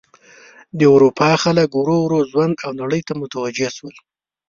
د اروپا خلک ورو ورو ژوند او نړۍ ته متوجه شول.